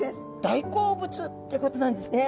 大好物ってことなんですね。